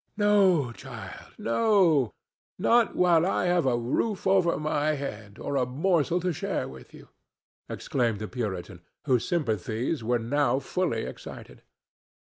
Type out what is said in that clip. '" "No, child, no, not while I have a roof over my head or a morsel to share with you," exclaimed the Puritan, whose sympathies were now fully excited.